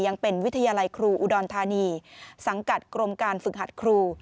ยังเป็นวิทยาลัยครูอุดรธานีสังกัดกรมการฝึกหัดครู